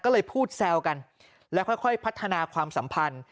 ก็เลยพูดแซวกันแล้วค่อยพัฒนาความสัมพันธ์